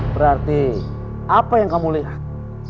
berarti apa yang kamu lihat